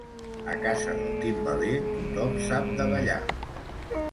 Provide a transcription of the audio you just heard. A casa del timbaler tothom sap de ballar.